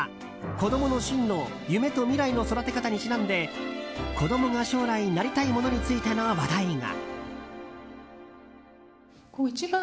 「子どもの進路夢と未来の育て方」にちなんで子供が将来なりたいものについての話題が。